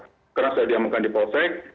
sekarang sudah diamankan di polsek